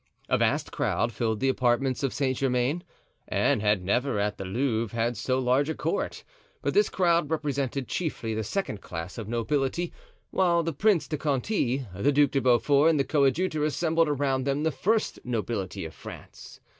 A vast crowd filled the apartments of Saint Germain. Anne had never at the Louvre had so large a court; but this crowd represented chiefly the second class of nobility, while the Prince de Conti, the Duc de Beaufort and the coadjutor assembled around them the first nobility of France.